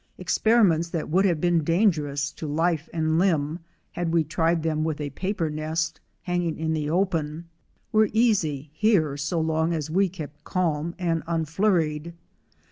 Experiments that would have been dangerous to life and limb had we tried them with a paper nest hanging in the open, were easy here so long as we kept calm and unflurried.